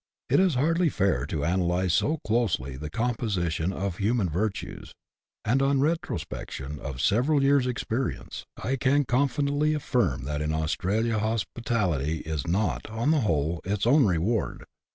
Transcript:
It is hardly fair to analyze so closely the composition of human virtues ; and on retrospection of several years' experience, I can confidently affirm that in Australia hospitality is not, on the whole, its own reward.